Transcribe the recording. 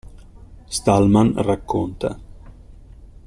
Stallman racconta.